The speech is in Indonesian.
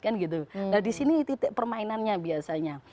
nah disini titik permainannya biasanya